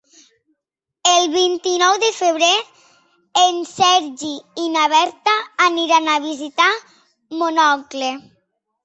El vint-i-nou de febrer en Sergi i na Berta aniran a visitar mon oncle.